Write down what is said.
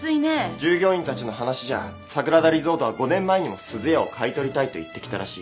従業員たちの話じゃ桜田リゾートは５年前にもすずやを買い取りたいと言ってきたらしい。